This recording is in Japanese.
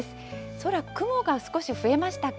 空、雲が少し増えましたか？